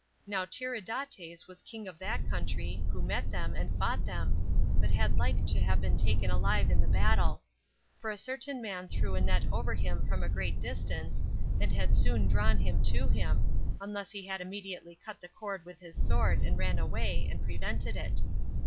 Now Tiridates was king of that country, who met them, and fought them, but had like to have been taken alive in the battle; for a certain man threw a net over him from a great distance, and had soon drawn him to him, unless he had immediately cut the cord with his sword, and ran away, and prevented it.